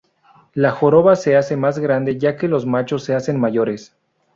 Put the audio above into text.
La joroba se hace más grande ya que los machos se hacen mayores.